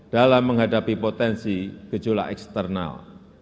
dalam menghadapi potensi gejolak eksternal